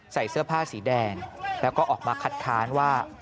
ใส่เสื้อผ้าสีแดงแล้วก็ออกมาคัดค้านว่า